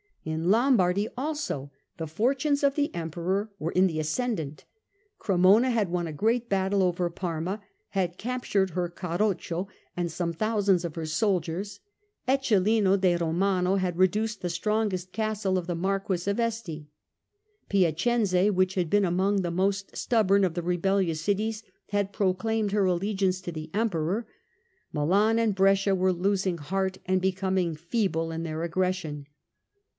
In Lombardy also the fortunes of the Emperor were in the ascendant. Cremona had won a great battle over Parma, had captured her Carroccio and some thousands of her soldiers. Eccelin de Romano had re duced the strongest castle of the Marquess of Este. Piacenza, which had been among the most stubborn of the rebellious cities, had proclaimed her allegiance to the Emperor. Milan and Brescia were losing heart and becoming feeble in their aggression.